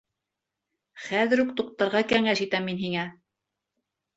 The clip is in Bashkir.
Хәҙер үк туҡтарға кәңәш итәм мин һиңә!